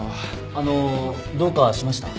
あのどうかしました？